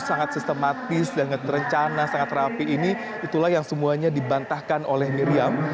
sangat sistematis sangat berencana sangat rapi ini itulah yang semuanya dibantahkan oleh miriam